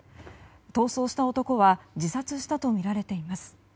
逃走した男は自殺したとみられています。